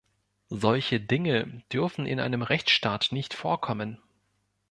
Solche Dinge dürfen in einem Rechtsstaat nicht vorkommen.